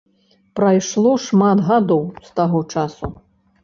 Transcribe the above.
Прайшло шмат гадоў з таго часу.